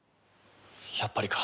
やっぱりか。